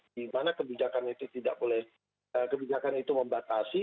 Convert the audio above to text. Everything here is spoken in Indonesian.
dimana kebijakan itu tidak boleh kebijakan itu membatasi